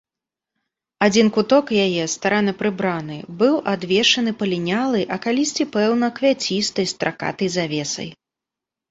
Адзін куток яе, старанна прыбраны, быў адвешаны палінялай, а калісьці, пэўна, квяцістай, стракатай завесай.